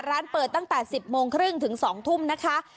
ร้านเปิดตั้งแต่๑๐โมงครึ่งถึง๒ทุ่มนะคะ